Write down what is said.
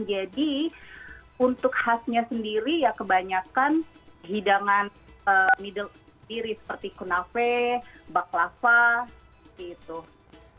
jadi untuk khasnya sendiri ya kebanyakan hidangan middle east sendiri seperti kunave baklava gitu